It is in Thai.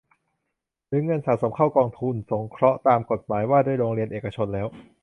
หรือเงินสะสมเข้ากองทุนสงเคราะห์ตามกฎหมายว่าด้วยโรงเรียนเอกชนแล้ว